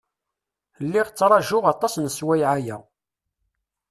Lliɣ ttṛajuɣ aṭas n sswayeɛ-aya.